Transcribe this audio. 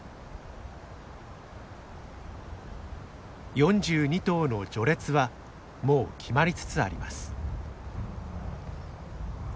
４２頭の序列はもう決まりつつあります。